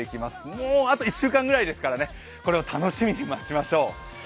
もうあと１週間ぐらいですからね、これを楽しみに待ちましょう。